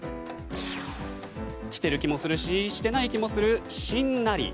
してる気もするししてない気もする、しんなり。